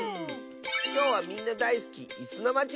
きょうはみんなだいすき「いすのまち」